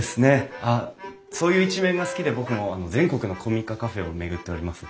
あっそういう一面が好きで僕も全国の古民家カフェを巡っております。